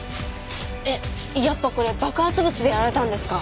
えっやっぱこれ爆発物でやられたんですか？